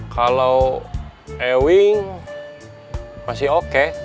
kalau ewing masih oke